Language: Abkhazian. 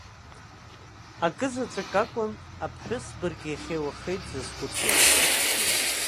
Акызаҵәык акәын аԥҳәыс бырг иахьеи уахеи дзызхәыцуазгьы.